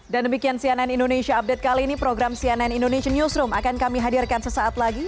dan demikian cnn indonesia update kali ini program cnn indonesia newsroom akan kami hadirkan sesaat lagi